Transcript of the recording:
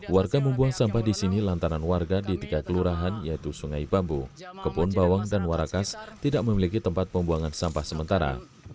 warga membuang sampah di sini lantaran warga di tiga kelurahan yaitu sungai bambu kebun bawang dan warakas tidak memiliki tempat pembuangan sampah sementara